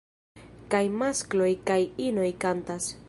Kaj maskloj kaj inoj kantas.